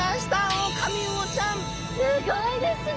すごいですね